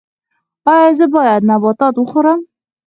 ایا زه باید نبات وخورم؟